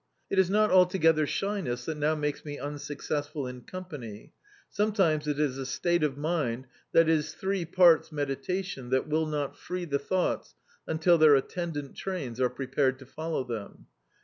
It is not altogether shyness that now makes me un successful in company. Sometimes it is a state of mind that is three parts meditation that will not free the thou^ts until their attendant trains arc prepared to follow them.